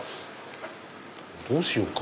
どうしようか。